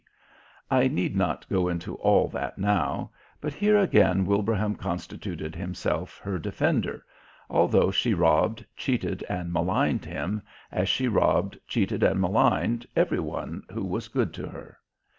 I need not go into all that now, but here again Wilbraham constituted himself her defender, although she robbed, cheated, and maligned him as she robbed, cheated, and maligned every one who was good to her.